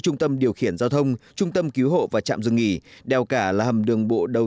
trung tâm điều khiển giao thông trung tâm cứu hộ và trạm dừng nghỉ đèo cả là hầm đường bộ đầu